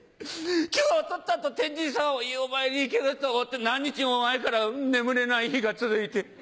今日はおとっつぁんと天神様にお参り行けると思って何日も前から眠れない日が続いて。